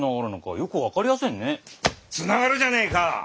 つながるじゃねえか！